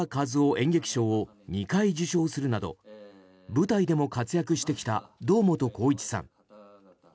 演劇賞を２回受賞するなど舞台でも活躍してきた堂本光一さん。